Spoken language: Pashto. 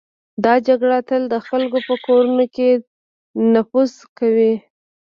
دا جګړه تل د خلکو په کورونو کې نفوذ کوي.